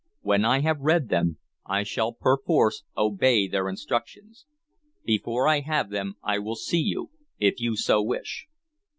When I have read them, I shall perforce obey their instructions. Before I have them I will see you, if you so wish."